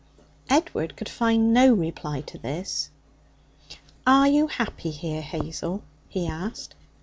Edward could find no reply to this. 'Are you happy here, Hazel?' he asked.